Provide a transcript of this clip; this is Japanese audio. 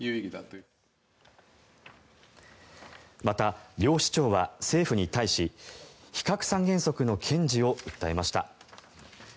また、両市長は政府に対し非核三原則の堅持を訴えました。